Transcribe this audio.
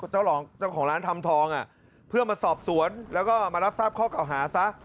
เจ้าของร้านทำทองเพื่อมาสอบสวนแล้วก็มารับทราบข้อเก่าหาซะ